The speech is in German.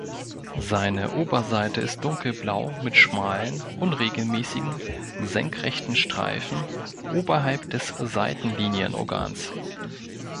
Seine Oberseite ist dunkelblau mit schmalen, unregelmäßigen, senkrechten Streifen oberhalb des Seitenlinienorgans.